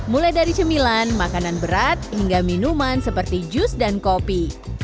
mulai dari cemilan makanan berat hingga minuman seperti jus dan kopi